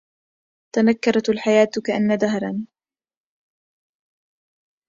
تنكرت الحياة كأن دهرا